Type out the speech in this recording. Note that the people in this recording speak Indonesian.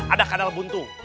ada kadal buntu